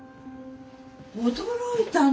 驚いたね！